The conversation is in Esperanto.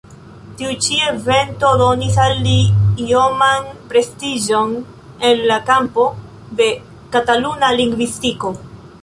Tiu ĉi evento donis al li ioman prestiĝon en la kampo de Kataluna lingvistiko.